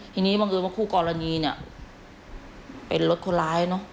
ทีนี้บางอย่างว่าคู่กรณีเป็นรถคนร้ายเนอะ